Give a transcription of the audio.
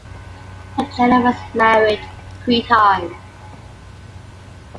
Michener was married three times.